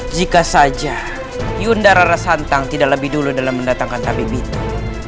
jika saja yunda rara santang tidak lebih dulu dalam mendatangkan tabib itu